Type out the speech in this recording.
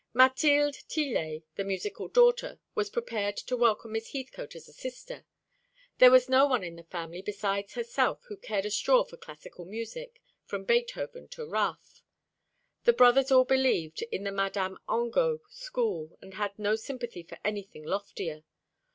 Mathilde Tillet, the musical daughter, was prepared to welcome Miss Heathcote as a sister. There was no one in the family besides herself who cared a straw for classical music, from Beethoven to Raff. The brothers all believed in the Madame Angot school, and had no sympathy for anything loftier.